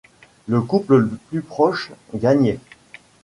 Le couple le plus proche gagnait.